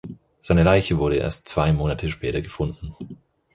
Seine Leiche wurde erst zwei Monate später gefunden.